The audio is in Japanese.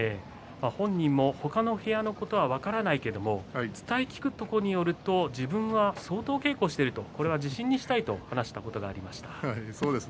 本人も他の部屋のことは分からないけど伝え聞くところによると自分は相当稽古をしているそれを自信にしたいと話していました。